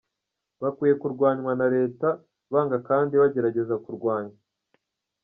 bakwiye kurwanywa na Leta banga kandi bagerageza kurwanya.